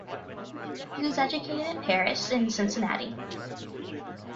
He was educated in Paris and Cincinnati.